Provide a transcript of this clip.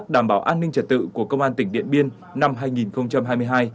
đầu tư của công an tỉnh điện biên năm hai nghìn hai mươi hai